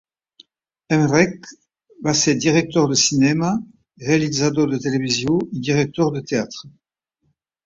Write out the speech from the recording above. Emrek va ser director de cinema, realitzador de televisió i director de teatre.